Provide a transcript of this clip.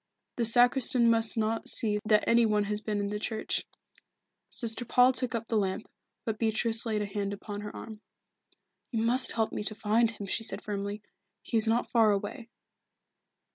The sacristan must not see that any one has been in the church." Sister Paul took up the lamp, but Beatrice laid a hand upon her arm. "You must help me to find him," she said firmly. "He is not far away."